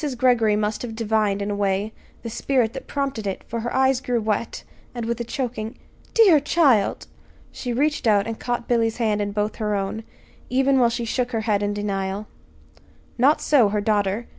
Greggory must have divined, in a way, the spirit that prompted it, for her eyes grew wet, and with a choking "Dear child!" she reached out and caught Billy's hand in both her own even while she shook her head in denial. Not so her daughter.